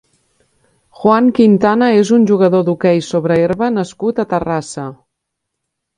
Juan Quintana és un jugador d'hoquei sobre herba nascut a Terrassa.